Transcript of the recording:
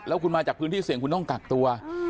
แล้วคุณมาจากพื้นที่เสี่ยงคุณต้องกักตัว